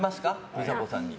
美佐子さんに。